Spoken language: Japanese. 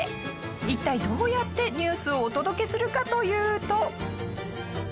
一体どうやってニュースをお届けするかというと。